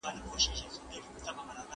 د ستوني درد لپاره ګرمې اوبه ښې دي.